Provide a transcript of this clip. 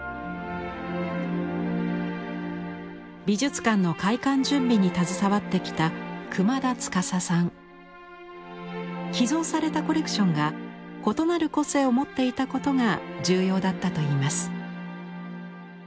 美術館の開館準備に携わってきた寄贈されたコレクションが異なる個性を持っていたことが重要だったといいます。